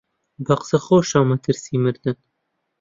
بە قسە خۆشە مەترسیی مردن